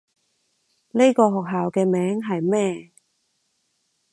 呢個學校嘅名係咩？